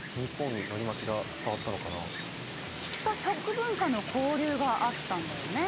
きっと食文化の交流があったんだよね。